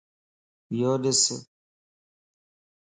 يوڏس